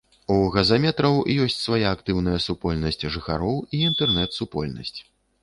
У газаметраў ёсць свая актыўная супольнасць жыхароў і інтэрнэт-супольнасць.